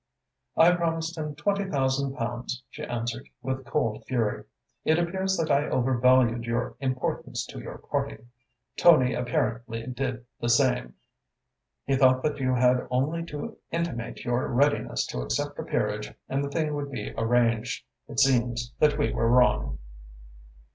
"I promised him twenty thousand pounds," she answered, with cold fury. "It appears that I overvalued your importance to your party. Tony apparently did the same. He thought that you had only to intimate your readiness to accept a peerage and the thing would be arranged. It seems that we were wrong."